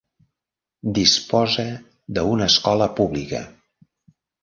Disposa d'una escola pública.